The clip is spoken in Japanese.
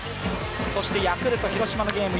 そしてヤクルト×広島のゲーム。